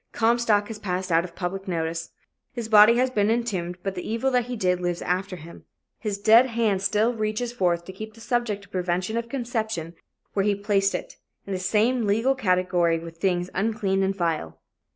Comstock has passed out of public notice. His body has been entombed but the evil that he did lives after him. His dead hand still reaches forth to keep the subject of prevention of conception where he placed it in the same legal category with things unclean and vile.